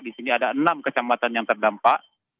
di sini ada enam kecamatan yang terdampak